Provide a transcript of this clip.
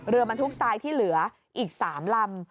บรรทุกทรายที่เหลืออีก๓ลำ